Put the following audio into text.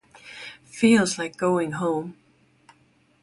Feels like going home.